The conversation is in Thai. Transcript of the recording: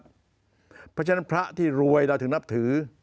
เพราะฉะนั้นพระที่รวยเราถึงนับถือ